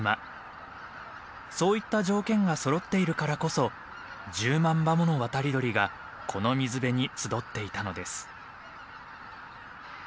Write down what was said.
そういった条件がそろっているからこそ１０万羽もの渡り鳥がこの水辺に集っていたのです。